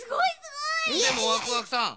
でもワクワクさん